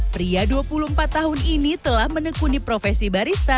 pria dua puluh empat tahun ini telah menekuni profesi barista